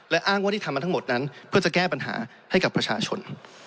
และอ้างว่าที่ทำมาทั้งหมดนั้นเพื่อจะแก้ปัญหาให้กับประชาชน